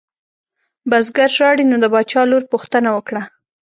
بزګر ژاړي نو د باچا لور پوښتنه وکړه.